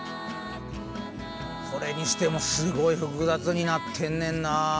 それにしてもすごい複雑になってんねんな。